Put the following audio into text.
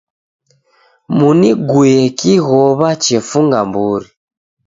Muniguye kighow'a chefunga mburi.